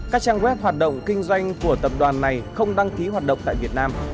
các trang web hoạt động kinh doanh của tập đoàn này không đăng ký hoạt động tại việt nam